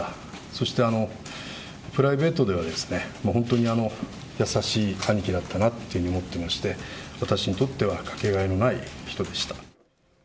そしてプライベートでは、本当に優しい兄貴だったなっていうふうに思ってまして、私にとっては掛けがえのない人でした。